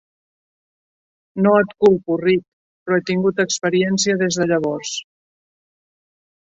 No et culpo, Rick, però he tingut experiència des de llavors.